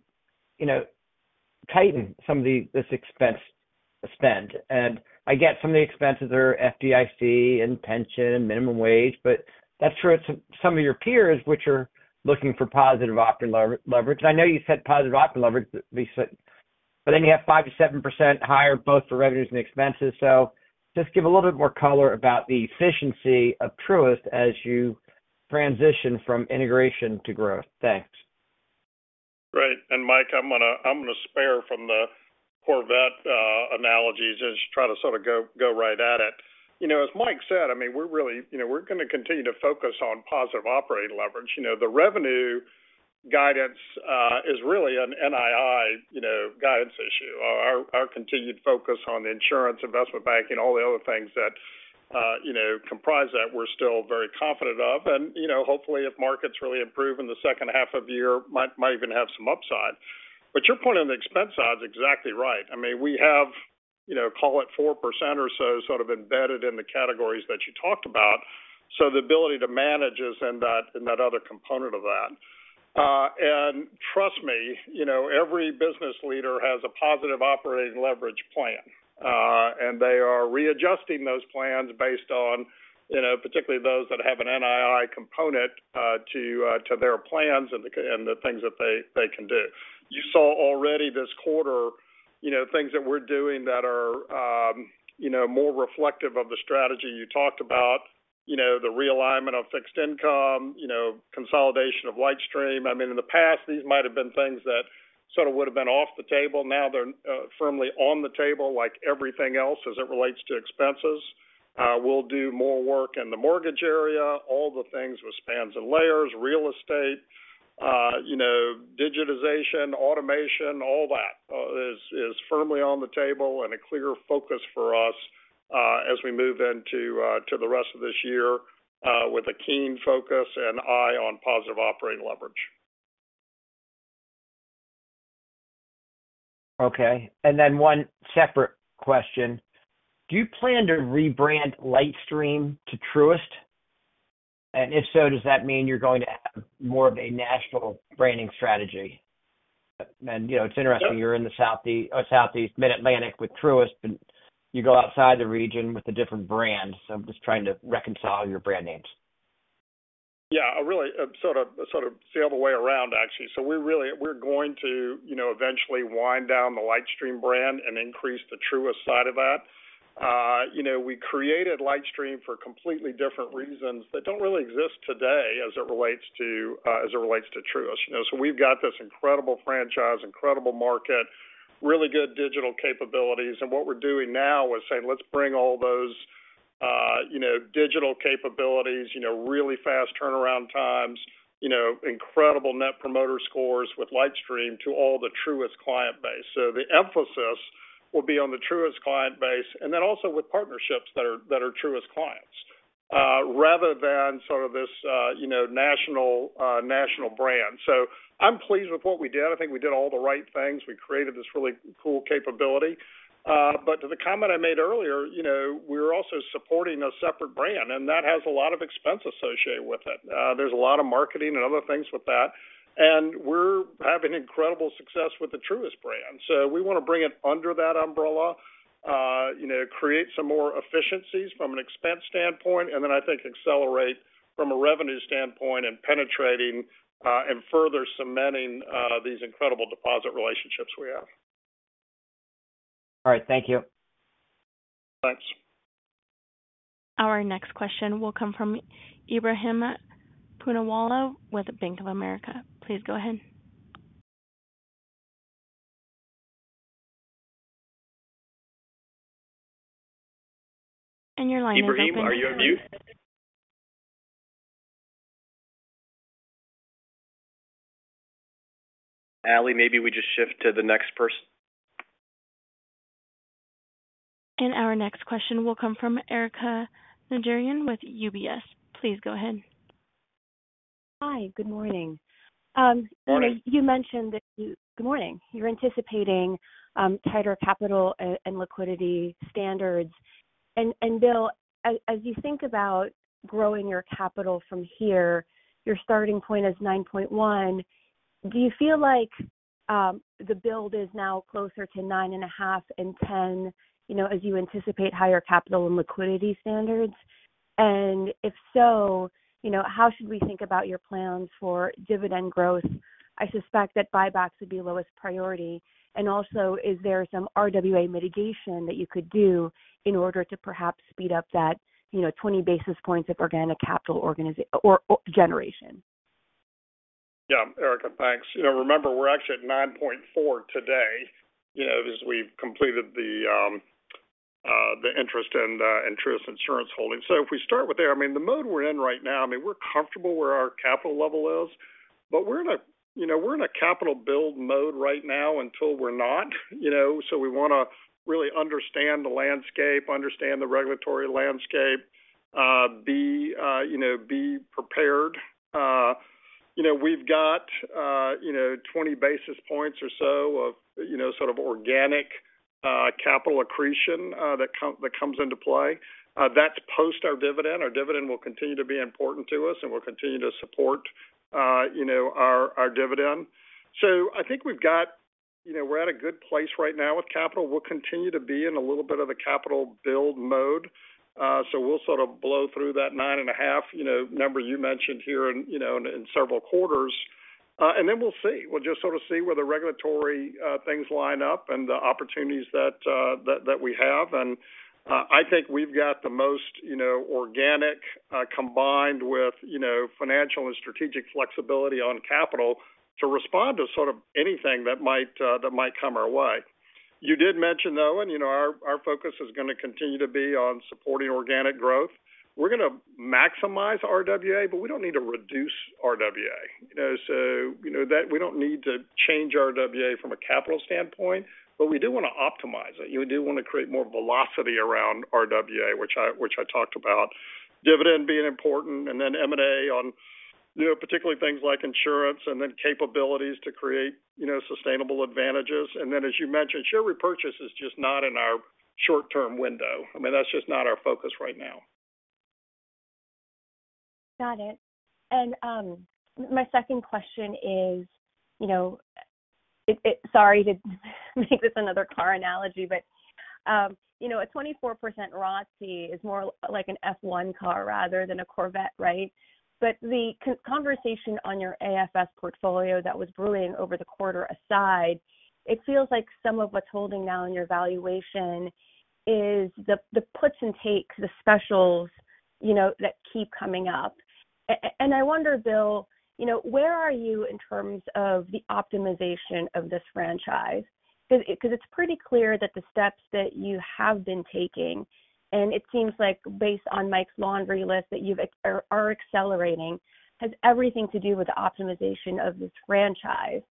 you know, tighten some of this expense spend." I get some of the expenses are FDIC and pension, minimum wage, but that's true at some of your peers, which are looking for positive operating leverage. I know you said positive operating leverage at least you have 5%-7% higher both for revenues and expenses. Just give a little bit more color about the efficiency of Truist as you transition from integration to growth. Thanks. Right. Mike, I'm gonna spare from the Corvette analogies and just try to sort of go right at it. You know, as Mike said, I mean, we're really, you know, we're gonna continue to focus on positive operating leverage. You know, the revenue guidance is really an NII, you know, guidance issue. Our continued focus on insurance, investment banking, all the other things that, you know, comprise that we're still very confident of. You know, hopefully, if markets really improve in the second half of the year, might even have some upside. Your point on the expense side is exactly right. I mean, we have, you know, call it 4% or so sort of embedded in the categories that you talked about. The ability to manage is in that other component of that. Trust me, you know, every business leader has a positive operating leverage plan. They are readjusting those plans based on, you know, particularly those that have an NII component to their plans and the things that they can do. You saw already this quarter, you know, things that we're doing that are, you know, more reflective of the strategy you talked about. You know, the realignment of fixed income, you know, consolidation of LightStream. I mean, in the past, these might have been things that sort of would have been off the table. Now they're firmly on the table like everything else as it relates to expenses. We'll do more work in the mortgage area, all the things with spans and layers, real estate, you know, digitization, automation, all that, is firmly on the table and a clear focus for us, as we move into, to the rest of this year, with a keen focus and eye on positive operating leverage. Okay. Then one separate question. Do you plan to rebrand LightStream to Truist? If so, does that mean you're going to have more of a national branding strategy? you know, it's interesting you're in the Southeast Mid-Atlantic with Truist, you go outside the region with the different brands. I'm just trying to reconcile your brand names. A really, a sort of the other way around, actually. We really, we're going to, you know, eventually wind down the LightStream brand and increase the Truist side of that. You know, we created LightStream for completely different reasons that don't really exist today as it relates to, as it relates to Truist. You know, we've got this incredible franchise, incredible market, really good digital capabilities. What we're doing now is saying let's bring all those, you know, digital capabilities, you know, really fast turnaround times, you know, incredible net promoter scores with LightStream to all the Truist client base. The emphasis will be on the Truist client base and then also with partnerships that are Truist clients, rather than sort of this, you know, national brand. I'm pleased with what we did. I think we did all the right things. We created this really cool capability. To the comment I made earlier, you know, we're also supporting a separate brand, and that has a lot of expense associated with it. There's a lot of marketing and other things with that. We're having incredible success with the Truist brand. We wanna bring it under that umbrella, you know, create some more efficiencies from an expense standpoint, I think accelerate from a revenue standpoint and penetrating, and further cementing, these incredible deposit relationships we have. All right. Thank you. Thanks. Our next question will come from Ebrahim Poonawala with Bank of America. Please go ahead. Your line is open. Ebrahim, are you on mute? Ally, maybe we just shift to the next person. Our next question will come from Erika Najarian with UBS. Please go ahead. Hi. Good morning. Morning. Bill, you mentioned that. Good morning. You're anticipating tighter capital and liquidity standards. Bill, as you think about growing your capital from here, your starting point is 9.1. Do you feel like the build is now closer to 9.5 and 10, you know, as you anticipate higher capital and liquidity standards? If so, you know, how should we think about your plans for dividend growth? I suspect that buybacks would be lowest priority. Also, is there some RWA mitigation that you could do in order to perhaps speed up that, you know, 20 basis points of organic capital or generation? Yeah. Erika, thanks. You know, remember we're actually at 9.4% today, you know, as we've completed the interest in the Truist Insurance Holdings. If we start with there, I mean, the mode we're in right now, I mean, we're comfortable where our capital level is, but we're in a, you know, we're in a capital build mode right now until we're not, you know. We wanna really understand the landscape, understand the regulatory landscape, be, you know, be prepared. You know, we've got, you know, 20 basis points or so of, you know, sort of organic capital accretion that comes into play. That's post our dividend. Our dividend will continue to be important to us, and we'll continue to support, you know, our dividend. I think we've got, you know, we're at a good place right now with capital. We'll continue to be in a little bit of a capital build mode. We'll sort of blow through that 9.5, you know, number you mentioned here in, you know, in several quarters. We'll see. We'll just sort of see where the regulatory things line up and the opportunities that we have. I think we've got the most, you know, organic, combined with, you know, financial and strategic flexibility on capital to respond to sort of anything that might come our way. You did mention, though, and, you know, our focus is gonna continue to be on supporting organic growth. We're gonna maximize RWA, but we don't need to reduce RWA. You know, that we don't need to change RWA from a capital standpoint, but we do wanna optimize it. You do wanna create more velocity around RWA, which I talked about. Dividend being important and then M&A on, you know, particularly things like insurance and then capabilities to create, you know, sustainable advantages. As you mentioned, share repurchase is just not in our short-term window. I mean, that's just not our focus right now. Got it. My second question is, you know, sorry to make this another car analogy, but, you know, a 24% ROTCE is more like an F1 car rather than a Corvette, right? The conversation on your AFS portfolio that was brewing over the quarter aside, it feels like some of what's holding now in your valuation is the puts and takes, the specials, you know, that keep coming up. And I wonder, Bill, you know, where are you in terms of the optimization of this franchise? 'Cause it's pretty clear that the steps that you have been taking, and it seems like based on Mike's laundry list that you've are accelerating, has everything to do with the optimization of this franchise.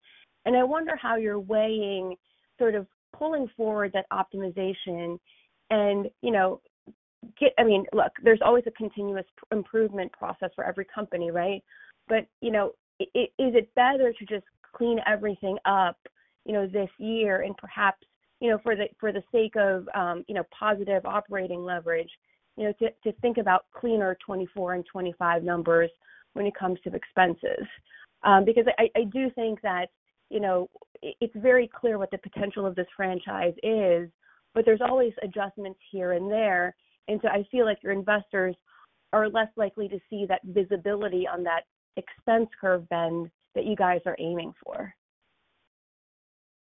I wonder how you're weighing sort of pulling forward that optimization and, you know, I mean, look, there's always a continuous improvement process for every company, right? You know, is it better to just clean everything up, you know, this year and perhaps, you know, for the sake of, you know, positive operating leverage, to think about cleaner 2024 and 2025 numbers when it comes to expenses? Because I do think that, you know, it's very clear what the potential of this franchise is, but there's always adjustments here and there. I feel like your investors are less likely to see that visibility on that expense curve bend that you guys are aiming for.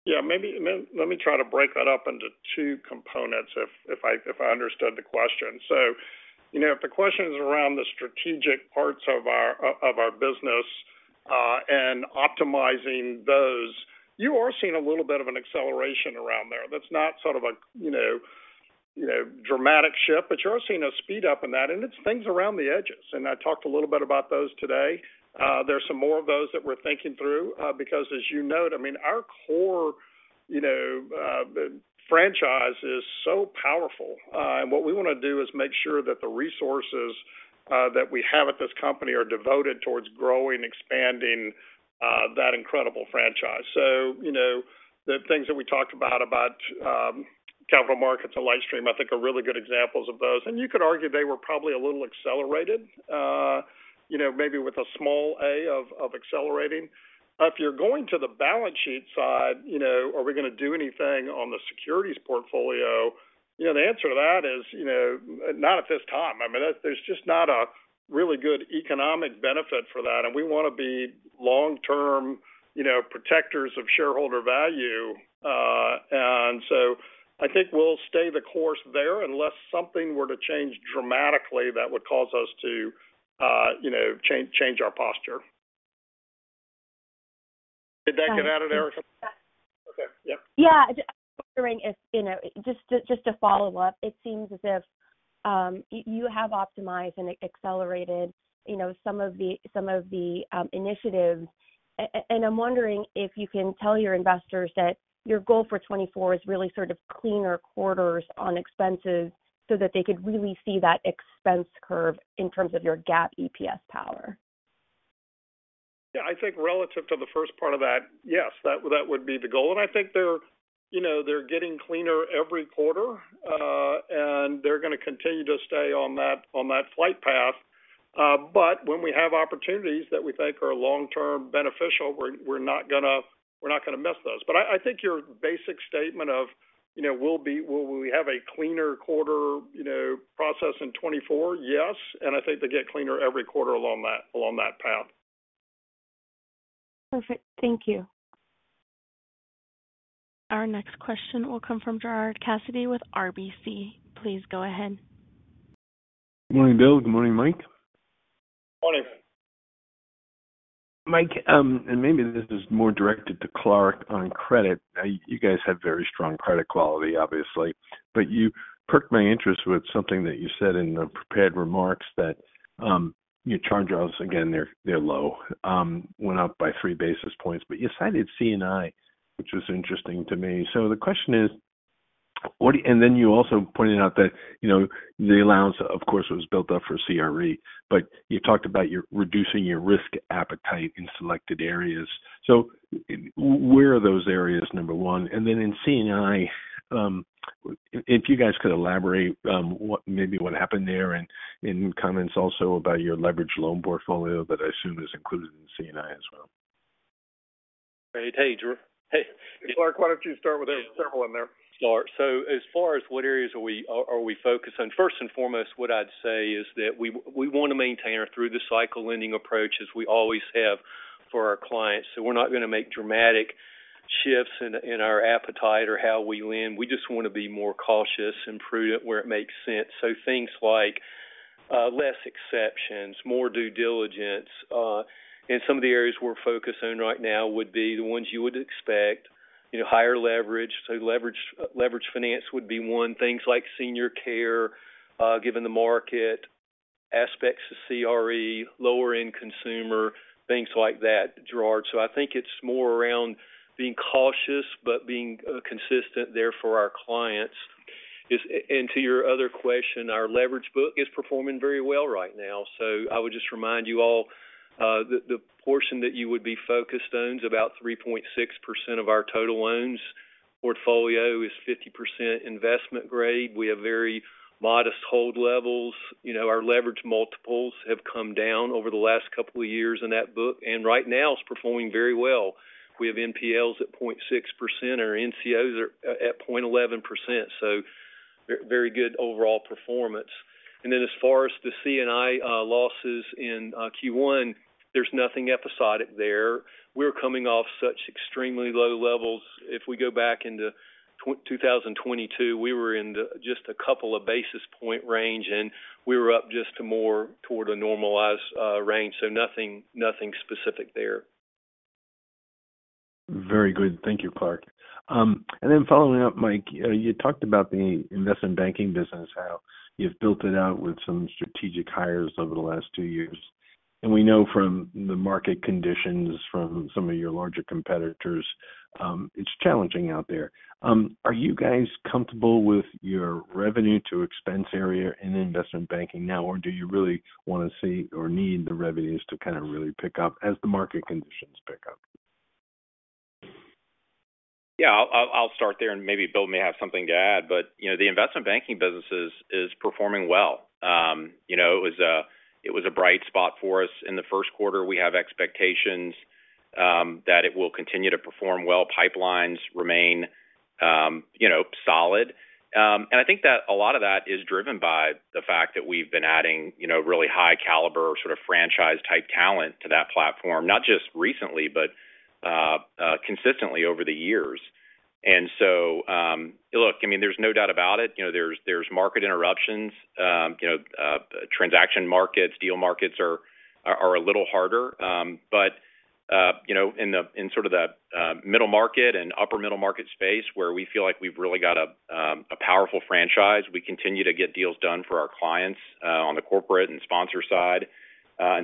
Yeah, let me try to break that up into two components if I understood the question. You know, if the question is around the strategic parts of our business, and optimizing those, you are seeing a little bit of an acceleration around there. That's not sort of a, you know, dramatic shift, but you are seeing a speed up in that, and it's things around the edges. I talked a little bit about those today. There's some more of those that we're thinking through, because as you note, I mean, our core, you know, franchise is so powerful. And what we wanna do is make sure that the resources that we have at this company are devoted towards growing, expanding, that incredible franchise. You know, the things that we talked about capital markets and LightStream, I think are really good examples of those. You could argue they were probably a little accelerated, you know, maybe with a small A of accelerating. If you're going to the balance sheet side, you know, are we gonna do anything on the securities portfolio? You know, the answer to that is, you know, not at this time. I mean, there's just not a really good economic benefit for that, and we want to be long-term, you know, protectors of shareholder value. I think we'll stay the course there unless something were to change dramatically that would cause us to, you know, change our posture. Did that get at it, Erika? Yeah. Okay. Yep. I'm wondering if, you know, just to follow up, it seems as if you have optimized and accelerated, you know, some of the initiatives. I'm wondering if you can tell your investors that your goal for 2024 is really sort of cleaner quarters on expenses so that they could really see that expense curve in terms of your GAAP EPS power. Yeah. I think relative to the first part of that, yes, that would be the goal. I think they're, you know, they're getting cleaner every quarter, and they're gonna continue to stay on that, on that flight path. When we have opportunities that we think are long-term beneficial, we're not gonna miss those. I think your basic statement of, you know, will we have a cleaner quarter, you know, process in 2024? Yes, and I think they get cleaner every quarter along that, along that path. Perfect. Thank you. Our next question will come from Gerard Cassidy with RBC. Please go ahead. Good morning, Bill. Good morning, Mike. Morning. Mike, maybe this is more directed to Clarke on credit. You guys have very strong credit quality, obviously, but you perked my interest with something that you said in the prepared remarks that your charge-offs, again, they're low, went up by 3 basis points. You cited C&I, which was interesting to me. The question is, you also pointed out that, you know, the allowance, of course, was built up for CRE, you talked about reducing your risk appetite in selected areas. Where are those areas, number 1? In C&I, if you guys could elaborate, maybe what happened there and comments also about your leverage loan portfolio that I assume is included in C&I as well. Great. Hey, Clarke, why don't you start with it? There are several in there. Sure. As far as what areas are we focused on, first and foremost, what I'd say is that we wanna maintain our through the cycle lending approach as we always have for our clients. We're not gonna make dramatic shifts in our appetite or how we lend. We just wanna be more cautious and prudent where it makes sense. Things like less exceptions, more due diligence. Some of the areas we're focused on right now would be the ones you would expect. You know, higher leverage. Leverage finance would be one. Things like senior care, given the market. Aspects of CRE, lower-end consumer, things like that, Gerard. I think it's more around being cautious, but being consistent there for our clients. And to your other question, our leverage book is performing very well right now. I would just remind you all, the portion that you would be focused owns about 3.6% of our total loans. Portfolio is 50% investment grade. We have very modest hold levels. You know, our leverage multiples have come down over the last couple of years in that book, and right now it's performing very well. We have NPLs at 0.6%. Our NCOs are at 0.11%, so very good overall performance. As far as the C&I losses in Q1, there's nothing episodic there. We're coming off such extremely low levels. If we go back into 2022, we were in the just a couple of basis point range, and we were up just to more toward a normalized range. Nothing specific there. Very good. Thank you, Clarke. Following up, Mike, you talked about the investment banking business, how you've built it out with some strategic hires over the last 2 years. We know from the market conditions from some of your larger competitors, it's challenging out there. Are you guys comfortable with your revenue to expense area in investment banking now, or do you really wanna see or need the revenues to kind of really pick up as the market conditions pick up? Yeah, I'll start there, and maybe Bill may have something to add. You know, the investment banking business is performing well. You know, it was a bright spot for us in the first quarter. We have expectations that it will continue to perform well. Pipelines remain, you know, solid. I think that a lot of that is driven by the fact that we've been adding, you know, really high caliber sort of franchise-type talent to that platform, not just recently, but consistently over the years. Look, I mean, there's no doubt about it, you know, there's market interruptions. You know, transaction markets, deal markets are a little harder. You know, in sort of the middle market and upper middle market space where we feel like we've really got a powerful franchise, we continue to get deals done for our clients on the corporate and sponsor side.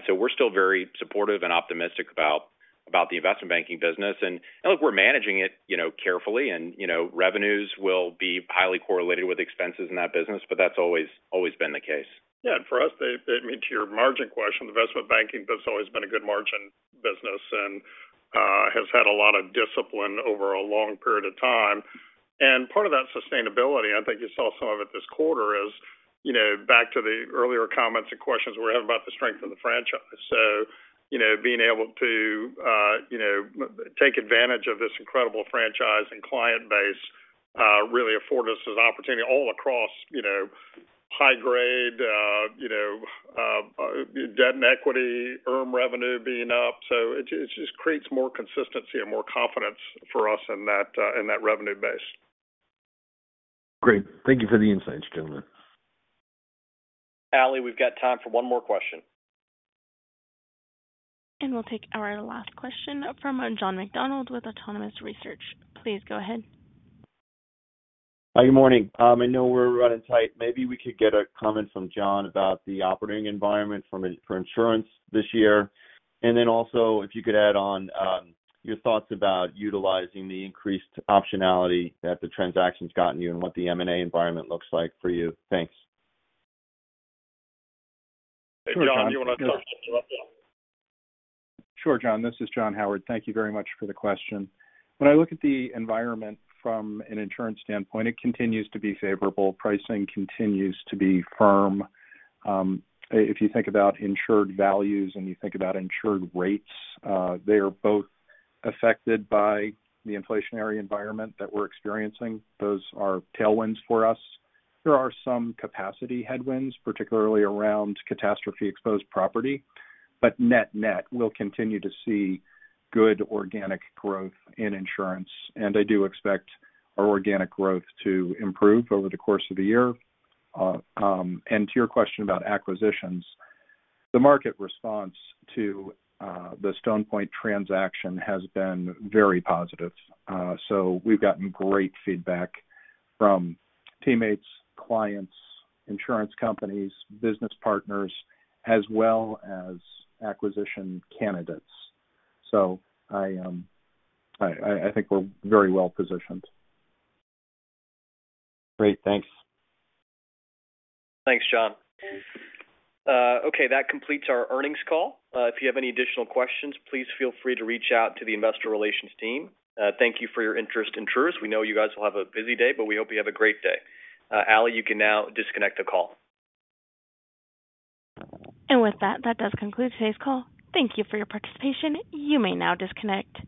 We're still very supportive and optimistic about the investment banking business. Look, we're managing it, you know, carefully. You know, revenues will be highly correlated with expenses in that business, but that's always been the case. Yeah. For us, the I mean, to your margin question, investment banking has always been a good margin business and has had a lot of discipline over a long period of time. Part of that sustainability, I think you saw some of it this quarter, is, you know, back to the earlier comments and questions we had about the strength of the franchise. Being able to, you know, take advantage of this incredible franchise and client base, really afford us this opportunity all across, you know, high grade, you know, debt and equity, earn revenue being up. It just creates more consistency and more confidence for us in that in that revenue base. Great. Thank you for the insights, gentlemen. Ally, we've got time for one more question. We'll take our last question from John McDonald with Autonomous Research. Please go ahead. Hi. Good morning. I know we're running tight. Maybe we could get a comment from John about the operating environment for insurance this year. If you could add on your thoughts about utilizing the increased optionality that the transaction's gotten you and what the M&A environment looks like for you. Thanks. Hey, John, do you wanna start this one off? Yeah. Sure, John. This is John Howard. Thank you very much for the question. When I look at the environment from an insurance standpoint, it continues to be favorable. Pricing continues to be firm. If you think about insured values and you think about insured rates, they are both affected by the inflationary environment that we're experiencing. Those are tailwinds for us. There are some capacity headwinds, particularly around catastrophe-exposed property. Net-net, we'll continue to see good organic growth in insurance, and I do expect our organic growth to improve over the course of the year. To your question about acquisitions, the market response to the Stone Point transaction has been very positive. We've gotten great feedback from teammates, clients, insurance companies, business partners, as well as acquisition candidates. I think we're very well positioned. Great. Thanks. Thanks, John. Okay, that completes our earnings call. If you have any additional questions, please feel free to reach out to the investor relations team. Thank you for your interest in Truist. We know you guys will have a busy day. We hope you have a great day. Ally, you can now disconnect the call. With that does conclude today's call. Thank you for your participation. You may now disconnect.